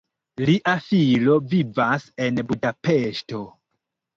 Lia filo vivas en Budapeŝto.